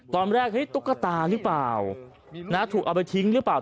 ตอนแรกตัวกตารึเปล่าถูกเอาไปทิ้งหรือเปล่า